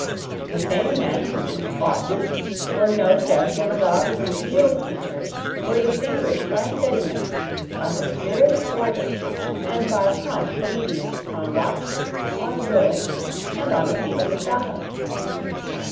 The same men, who, off duty, were noted as demagogues and field preachers, were distinguished by steadiness, by the spirit of order, and by prompt obedience on watch, on drill, and on the field of battle.